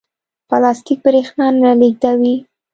پلاستیک برېښنا نه لېږدوي.